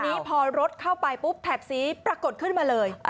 ทีนี้พอรถเข้าไปปุ๊บแถบสีปรากฏขึ้นมาเลย